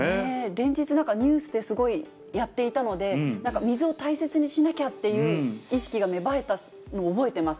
連日なんか、ニュースですごいやっていたので、なんか水を大切にしなきゃっていう意識が芽生えたの覚えてます。